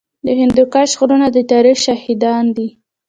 د هندوکش غرونه د تاریخ شاهدان دي